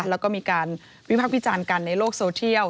แล้วก็มีการวิพักษ์วิจารณ์กันในโลกโซเทียล